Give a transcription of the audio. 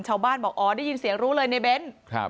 ชาวบ้านบอกอ๋อได้ยินเสียงรู้เลยในเบนท์